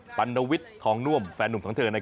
ก็อย่าลืมให้กำลังใจเมย์ในรายการต่อไปนะคะ